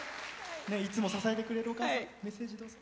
いつも支えてくれるお母さんメッセージをどうぞ。